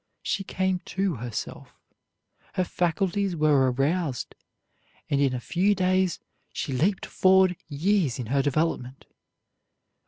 She came to herself; her faculties were aroused, and in a few days she leaped forward years in her development.